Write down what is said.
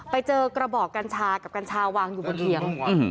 ไปเจอกระบอกกัญชากับกัญชาวางอยู่บนเคียง